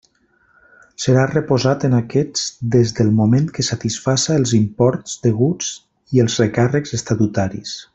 Serà reposat en aquests des del moment que satisfaça els imports deguts i els recàrrecs estatutaris.